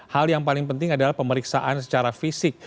hal yang paling penting adalah pemeriksaan secara fisik